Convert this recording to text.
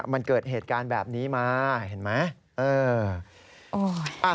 มันเกิดเหตุการณ์แบบนี้มาเห็นไหม